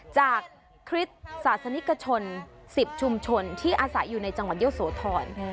คริสต์ศาสนิกชน๑๐ชุมชนที่อาศัยอยู่ในจังหวัดเยอะโสธร